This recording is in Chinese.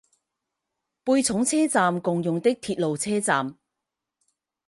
贝冢车站共用的铁路车站。